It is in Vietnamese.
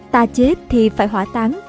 ta chết thì phải hỏa tán